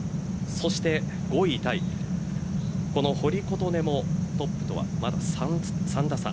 そして５位タイこの堀琴音もトップとはまだ３打差